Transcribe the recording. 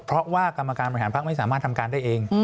เพราะว่ากรรมการบริหารพักไม่สามารถทำการได้เอง